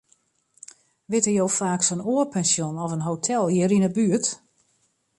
Witte jo faaks in oar pensjon of in hotel hjir yn 'e buert?